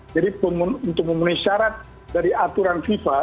jadi untuk memenuhi syarat dari aturan fifa